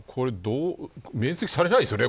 免責されないですよね